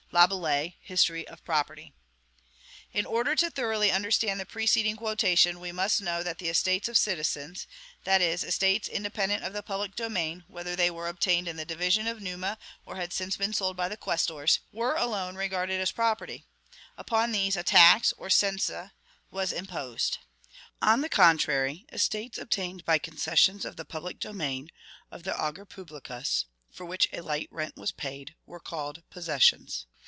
Laboulaye: History of Property. In order thoroughly to understand the preceding quotation, we must know that the estates of CITIZENS that is, estates independent of the public domain, whether they were obtained in the division of Numa, or had since been sold by the questors were alone regarded as PROPERTY; upon these a tax, or cense, was imposed. On the contrary, the estates obtained by concessions of the public domain, of the ager publicus (for which a light rent was paid), were called POSSESSIONS.